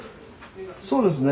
そうですね。